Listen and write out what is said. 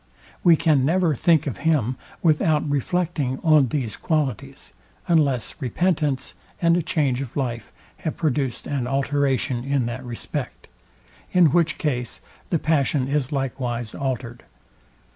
We can never think of him without reflecting on these qualities; unless repentance and a change of life have produced an alteration in that respect: In which case the passion is likewise altered.